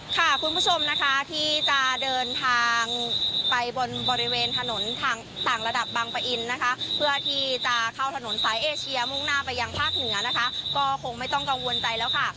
คุณผู้ชมนะคะที่จะเดินทางไปบนบริเวณถนนทางต่างระดับบางปะอินนะคะเพื่อที่จะเข้าถนนสายเอเชียมุ่งหน้าไปยังภาคเหนือนะคะก็คงไม่ต้องกังวลใจแล้วค่ะ